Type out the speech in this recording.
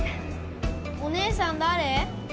お姉さん誰？